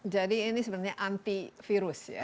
jadi ini sebenarnya anti virus ya